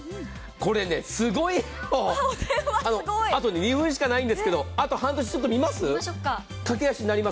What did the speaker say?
これねすごい、あと２分しかないんですけど、あと半年、見ます？